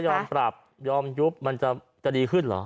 แต่ถ้ายอมปรับยอมยุบมันจะดีขึ้นเหรอ